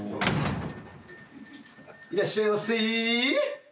いらっしゃいまっせ！